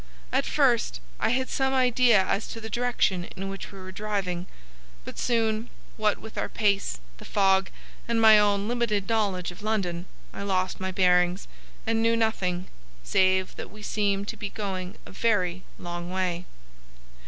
At first I had some idea as to the direction in which we were driving; but soon, what with our pace, the fog, and my own limited knowledge of London, I lost my bearings, and knew nothing, save that we seemed to be going a very long way.